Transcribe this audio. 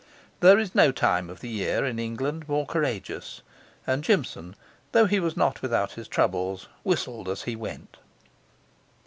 There is no time of the year in England more courageous; and Jimson, though he was not without his troubles, whistled as he went.